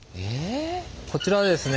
こちらはですね